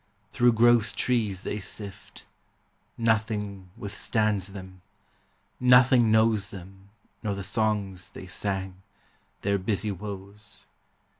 Through gross trees They sift. Nothing withstands them. Nothing knows Them nor the songs they sang, their busy woes.